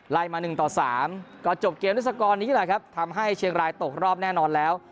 ไล่มาหนึ่งต่อสามก็จบเกมนิสกรณ์นี้แหละครับทำให้เชียงรายตกรอบแน่นอนแล้ว